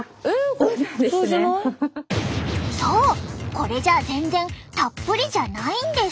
そうこれじゃ全然たっぷりじゃないんです。